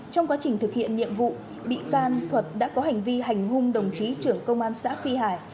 trong quá trình thực hiện nhiệm vụ bị can thuật đã có hành vi hành hung đồng chí trưởng công an xã phi hải